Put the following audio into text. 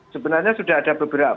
sebenarnya sudah ada beberapa